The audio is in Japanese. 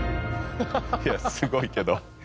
いやすごいけど。